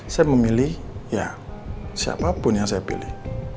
saya memilih ya siapapun yang saya pilih